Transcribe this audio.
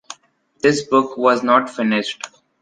This book was not finished.